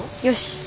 よし。